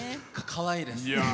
かわいいです。